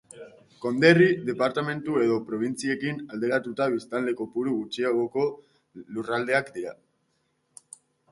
Konderri, departamendu edo probintziekin alderatuta biztanle kopuru gutxiagoko lurraldeak dira.